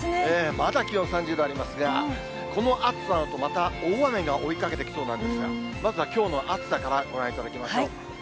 まだ気温３０度ありますが、この暑さのあと、また大雨が追いかけてきそうなんですが、まずはきょうの暑さからご覧いただきましょう。